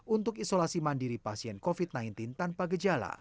untuk isolasi mandiri pasien covid sembilan belas tanpa gejala